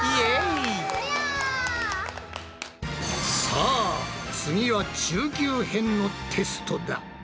さあ次は中級編のテストだ。